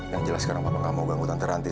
yang jelas sekarang papa gak mau ganggu tante ranti